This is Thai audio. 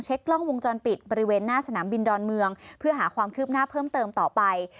กล้องวงจรปิดบริเวณหน้าสนามบินดอนเมืองเพื่อหาความคืบหน้าเพิ่มเติมต่อไป